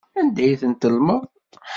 Anda ay ten-tellmeḍ?